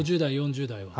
５０代、４０代は。